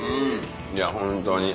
いやホントに。